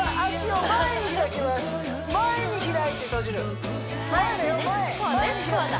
前に開いて閉じる前だよ